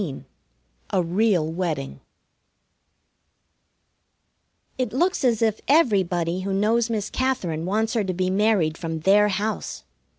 XV A REAL WEDDING It looks as if everybody who knows Miss Katherine wants her to be married from their house.